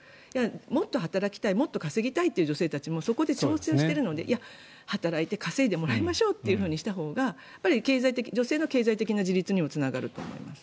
もっと働きたいもっと稼ぎたいという女性もそこで調整をしているので働いて稼いでもらいましょうとしたほうが女性の経済的な自立にもつながると思います。